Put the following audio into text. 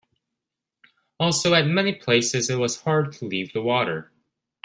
Also, at many places it was hard to leave the water.